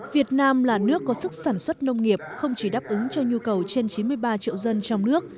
việt nam là nước có sức sản xuất nông nghiệp không chỉ đáp ứng cho nhu cầu trên chín mươi ba triệu dân trong nước